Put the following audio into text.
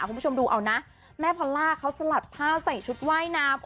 คุณผู้ชมดูเอานะแม่พอลล่าเขาสลัดผ้าใส่ชุดว่ายน้ำ